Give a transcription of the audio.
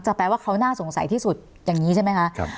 แปลว่าเขาน่าสงสัยที่สุดอย่างนี้ใช่ไหมคะ